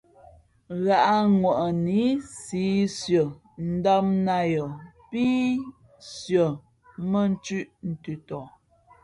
Ghǎʼŋwαʼnǐ siī sʉα ndām nāt yαα pí sʉα mᾱ nthʉ̄ʼ ntʉtɔ.